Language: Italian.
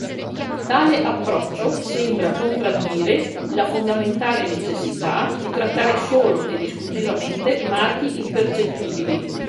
Tale approccio sembra contraddire la fondamentale necessità di trattare solo ed esclusivamente marchi impercettibili.